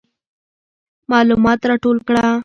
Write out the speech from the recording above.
معلومات راټول کړه.